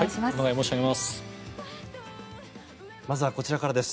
お願い申し上げます。